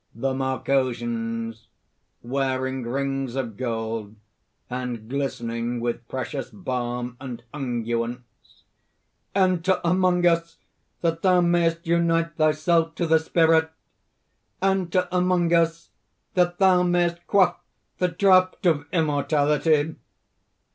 THE MARCOSIANS (wearing rings of gold, and glistening with precious balm and unguents:) "Enter among us that thou mayst unite thyself to the Spirit! Enter among us that thou mayst quaff the draught of immortality!"